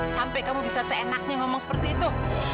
sampai kamu bisa seenaknya ngomong seperti itu